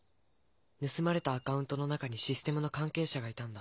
盗まれたアカウントの中にシステムの関係者がいたんだ。